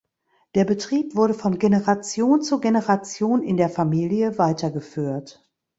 Der Betrieb wurde von Generation zu Generation in der Familie weitergeführt.